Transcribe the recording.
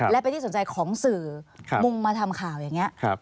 และเป็นที่สนใจของสื่อมุงมาทำข่าวอย่างนี้